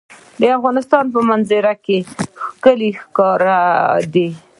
د افغانستان په منظره کې کلي ښکاره ده.